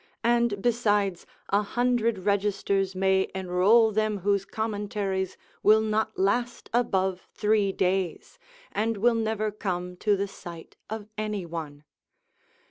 and, besides, a hundred registers may enrol them whose commentaries will not last above three days, and will never come to the sight of any one.